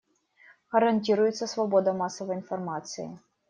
Гарантируется свобода массовой информации.